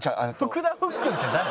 福田福くんって誰？